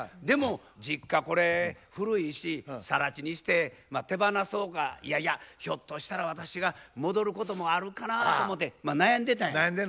でも実家これ古いしさら地にして手放そうかいやいやひょっとしたら私が戻ることもあるかなと思うて悩んでたんや。